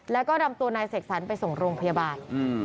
แล้วก็นำตัวนายเสกสรรไปส่งโรงพยาบาล